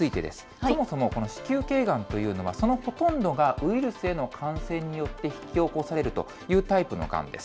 そもそもこの子宮けいがんというのは、そのほとんどがウイルスへの感染によって引き起こされるというタイプのがんです。